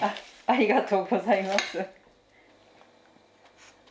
ありがとうございます。